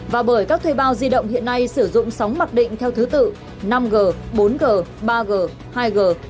và bởi các thuê bao di động hiện nay sử dụng sóng mặt định theo thứ tự năm g bốn g ba g hai g